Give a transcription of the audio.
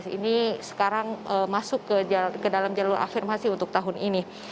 ini sekarang masuk ke dalam jalur afirmasi untuk tahun ini